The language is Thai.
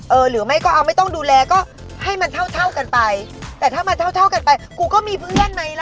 หรือไม่ก็เอาไม่ต้องดูแลก็ให้มันเท่าเท่ากันไปแต่ถ้ามันเท่าเท่ากันไปกูก็มีเพื่อนไหมล่ะ